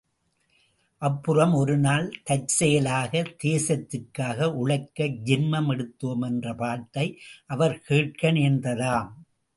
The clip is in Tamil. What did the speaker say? அப்புறம் ஒரு நாள் தற்செயலாக தேசத்திற்காக உழைக்க ஜென்மம் எடுத்தோம் என்ற பாட்டை அவர் கேட்க நேர்ந்ததாம்.